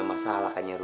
ada masalah kan nyaru